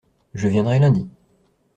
Je viendrai lundi.